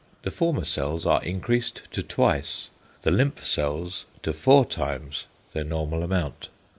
The former cells are increased to twice, the lymph cells to four times their normal amount.